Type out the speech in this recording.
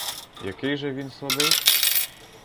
Який же він слабий?